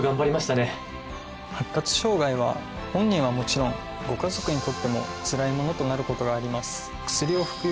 発達障害は本人はもちろんご家族にとってもつらいものとなることがあります。